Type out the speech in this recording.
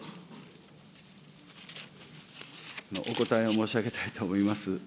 お答えを申し上げたいと思います。